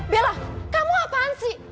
bella kamu apaan sih